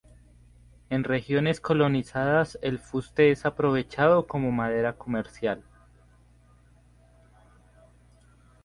En regiones colonizadas el fuste es aprovechado como madera comercial.